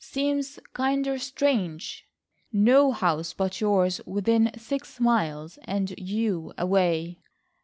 Seems kinder strange, no house but yours within six miles, and you away."